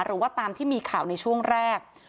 หรือว่าตามที่มีข่าวในช่วงแรก